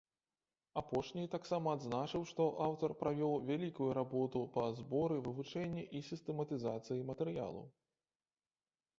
Апошні таксама адзначыў, што аўтар правёў вялікую работу па зборы, вывучэнні і сістэматызацыі матэрыялу.